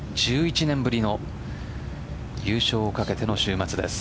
１１年ぶりの優勝をかけての週末です。